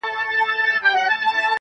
o ميئن د كلي پر انجونو يمه.